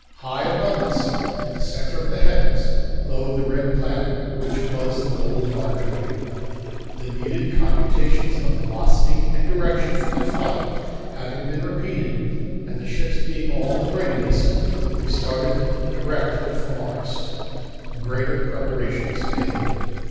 High above us, in the centre of the heavens, glowed the red planet which was the goal of our journey. The needed computations of velocity and direction of flight having been repeated, and the ships being all in readiness, we started direct for Mars. Greater Preparations Made.